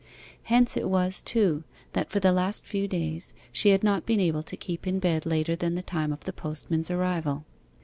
Hence it was, too, that for the last few days, she had not been able to keep in bed later than the time of the postman's arrival.